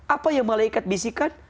apa yang malaikat bisikan